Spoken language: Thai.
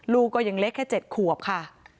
ลูกก็ยังเล็กแค่๗ขวบค่ะ